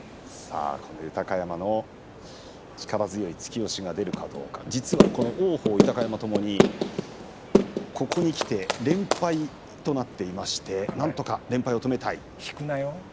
豊山の力強い突き押しが出るかどうか王鵬と豊山ともにここにきて連敗となっていましてなんとか連敗を止めたい。